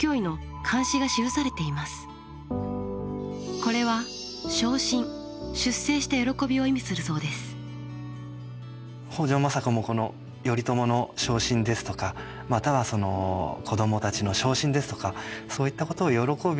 これは北条政子も頼朝の昇進ですとかまたは子どもたちの昇進ですとかそういったことを喜び